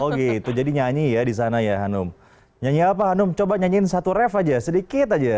oh gitu jadi nyanyi ya di sana ya hanum nyanyi apa hanum coba nyanyiin satu ref aja sedikit aja